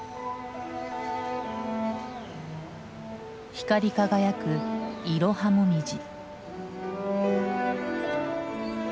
光り輝くイロハモミジ。